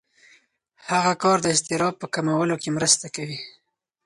هغه کار د اضطراب په کمولو کې مرسته کوي.